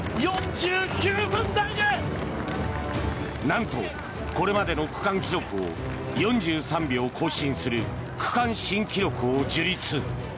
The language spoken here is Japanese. なんとこれまでの区間記録を４３秒更新する区間新記録を樹立。